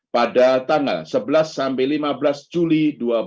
pada tanggal sebelas sampai lima belas juli dua ribu dua puluh